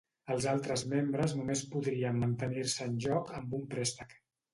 Els altres membres només podrien mantenir-se en joc amb un préstec.